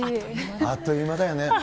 あっという間だよね。